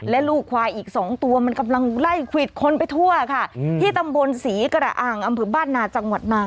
และลูกควายอีกสองตัวมันกำลังไล่ควิดคนไปทั่วค่ะที่ตำบลศรีกระอ่างอำเภอบ้านนาจังหวัดมา